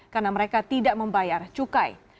karena mereka tidak membayar cukai